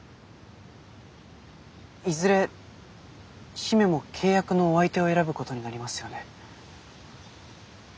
いずれ姫も契約のお相手を選ぶことになりますよね。